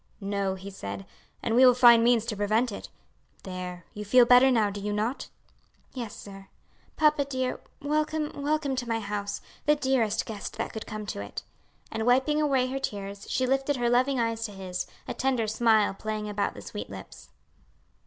"No," he said, "we will find means to prevent it. There, you feel better now, do you not?" "Yes, sir. Papa dear, welcome, welcome to my house; the dearest guest that could come to it." And wiping away her tears, she lifted her loving eyes to his, a tender smile playing about the sweet lips.